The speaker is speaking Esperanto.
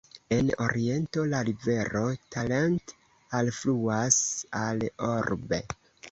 En oriento la rivero Talent alfluas al Orbe.